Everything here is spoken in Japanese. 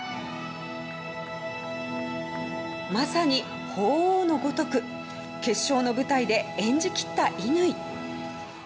まさに鳳凰のごとく決勝の舞台を演じ切った乾。